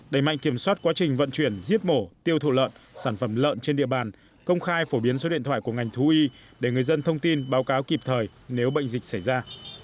đẩy mạnh kiểm soát quá trình vận chuyển giết mổ tiêu thụ lợn sản phẩm lợn trên địa bàn công khai phổ biến số điện thoại của ngành thú y để người dân thông tin báo cáo kịp thời nếu bệnh dịch xảy ra